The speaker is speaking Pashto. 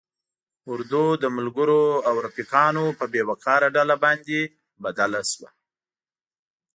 اردو د ملګرو او رفیقانو په بې وقاره ډله باندې بدل شوه.